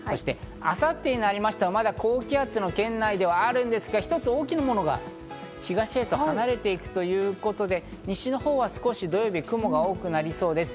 明後日になりましても、まだ高気圧の圏内ではあるんですが、一つ大きなものが東へと離れていくということで、西のほうは土曜日、少し雲が多くなりそうです。